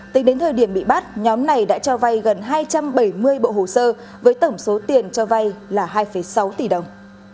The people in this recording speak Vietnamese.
tính đến thời điểm bị bắt nhóm này đã cho vay gần hai trăm bảy mươi bộ hồ sơ với tổng số tiền cho vay là hai sáu tỷ đồng